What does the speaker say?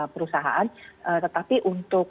perusahaan tetapi untuk